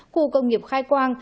cụ công nghiệp khai quang